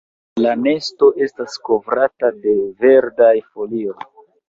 La nesto estas kovrata de verdaj folioj.